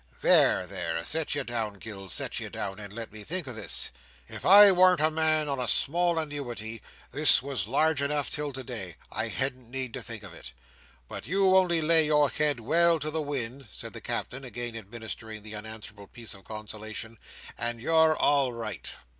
"There, there! Sit ye down, Gills, sit ye down, and let me think o' this. If I warn't a man on a small annuity, that was large enough till today, I hadn't need to think of it. But you only lay your head well to the wind," said the Captain, again administering that unanswerable piece of consolation, "and you're all right!"